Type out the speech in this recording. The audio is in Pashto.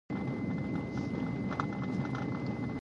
ورزش د معافیت سیستم پیاوړتیا هم کوي.